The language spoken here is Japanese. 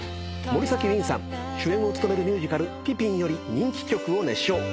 森崎ウィンさん主演を務めるミュージカル『ピピン』より人気曲を熱唱。